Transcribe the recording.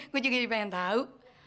gue juga juga pengen tau